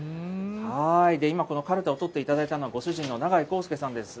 今、このかるたを取っていただいたのはご主人の永井康介さんです。